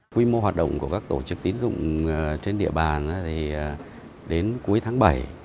quy mô hoạt động của các tổ chức tín dụng trên địa bàn đến cuối tháng bảy